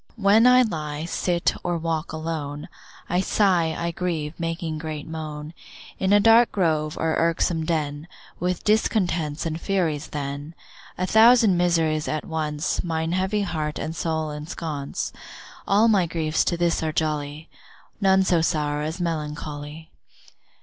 When I lie, sit, or walk alone, I sigh, I grieve, making great moan, In a dark grove, or irksome den, With discontents and Furies then, A thousand miseries at once Mine heavy heart and soul ensconce, All my griefs to this are jolly, None so sour as melancholy.